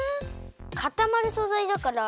かたまるそざいだから。